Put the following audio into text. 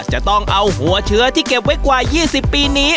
จะต้องเอาหัวเชื้อที่เก็บไว้กว่า๒๐ปีนี้